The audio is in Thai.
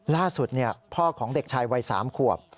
ล่าสุดพ่อของเด็กชายวัย๓ขวบ